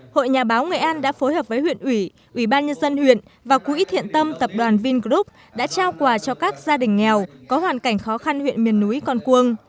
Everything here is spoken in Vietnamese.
hội nhà báo nghệ an đã phối hợp với huyện ủy ubnd huyện và quỹ thiện tâm tập đoàn vingroup đã trao quà cho các gia đình nghèo có hoàn cảnh khó khăn huyện miền núi con quương